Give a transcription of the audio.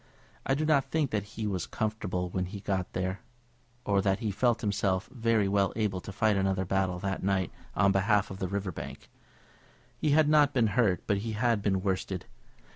I do not think that he was comfortable when he got there, or that he felt himself very well able to fight another battle that night on behalf of the River Bank. He had not been hurt, but he had been worsted.